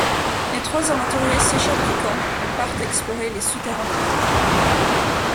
Les trois aventuriers s'échappent du camp et partent explorer les souterrains de l'île.